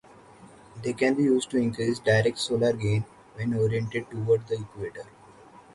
They can be used to increase direct solar gain when oriented towards the equator.